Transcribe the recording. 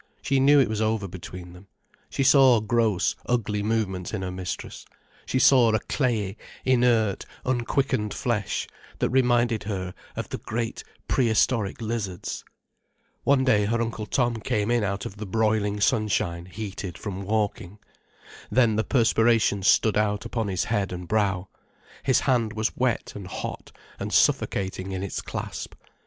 She knew it was over between them. She saw gross, ugly movements in her mistress, she saw a clayey, inert, unquickened flesh, that reminded her of the great prehistoric lizards. One day her Uncle Tom came in out of the broiling sunshine heated from walking. Then the perspiration stood out upon his head and brow, his hand was wet and hot and suffocating in its clasp.